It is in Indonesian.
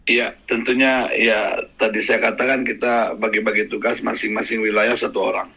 ya tentunya ya tadi saya katakan kita bagi bagi tugas masing masing wilayah satu orang